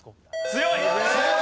強い。